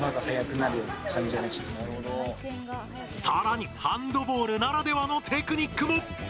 さらにハンドボールならではのテクニックも。